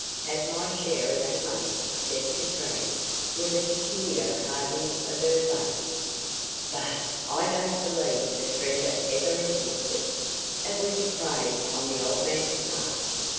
"Have my share of that money," said Katrine, with a peculiar hardening of her face. "Bah! I don't believe the treasure ever existed. It was a craze on the old man's part."